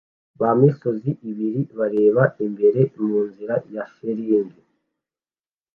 Ba misozi ibiri bareba imbere munzira ya shelegi